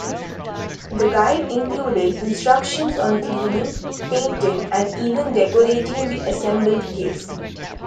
The guide included instructions on cleaning, painting and even decorating the assembled case.